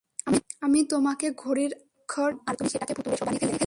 আমি তোমাকে ঘড়ির আদ্যক্ষর দিলাম আর তুমি সেটাকে ভুতুড়ে শো বানিয়ে ফেললে।